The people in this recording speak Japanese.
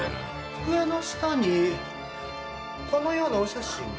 机の下にこのようなお写真が。